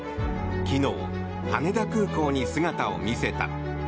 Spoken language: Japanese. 昨日、羽田空港に姿を見せた。